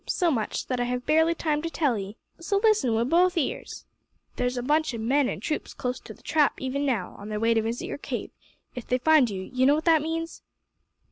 So much, that I have barely time to tell 'ee. So, listen wi' both ears. There's a bunch o' men an' troops close to the Trap even now, on their way to visit your cave. If they find you you know what that means?"